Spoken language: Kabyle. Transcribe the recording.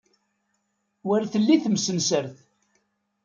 Wer telli temsensert.